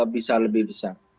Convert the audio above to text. bisa lebih besar